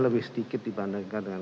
lebih sedikit dibandingkan dengan